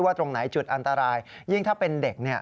ตรงไหนจุดอันตรายยิ่งถ้าเป็นเด็ก